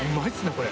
これ。